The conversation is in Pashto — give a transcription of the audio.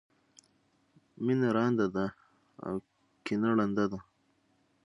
مینه رانده ده او کینه ړنده ده.